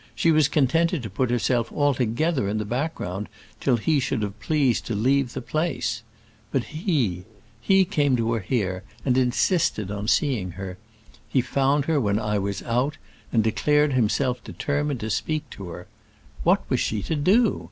She was contented to put herself altogether in the background till he should have pleased to leave the place. But he he came to her here, and insisted on seeing her. He found her when I was out, and declared himself determined to speak to her. What was she to do?